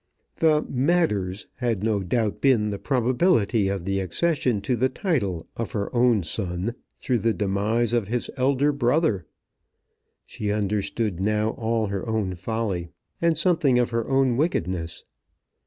The "matters" had no doubt been the probability of the accession to the title of her own son through the demise of his elder brother! She understood now all her own folly, and something of her own wickedness.